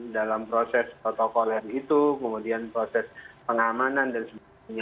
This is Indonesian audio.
dalam proses protokoler itu kemudian proses pengamanan dan sebagainya